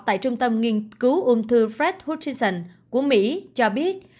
tại trung tâm nghiên cứu uông thư fred hutchinson của mỹ cho biết